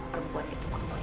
perempuan itu kemui